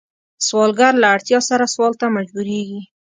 سوالګر له اړتیا سره سوال ته مجبوریږي